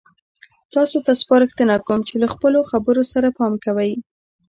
تاسو ته سپارښتنه کوم چې له خپلو خبرو سره پام کوئ.